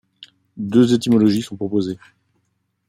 Deux étymologies sont proposées.